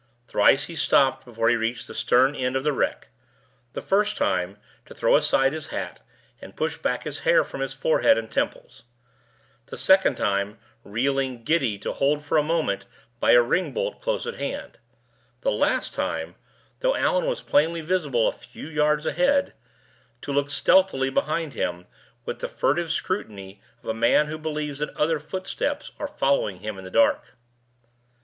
Thrice he stopped before he reached the stern end of the wreck: the first time, to throw aside his hat, and push back his hair from his forehead and temples; the second time, reeling, giddy, to hold for a moment by a ring bolt close at hand; the last time (though Allan was plainly visible a few yards ahead), to look stealthily behind him, with the furtive scrutiny of a man who believes that other footsteps are following him in the dark.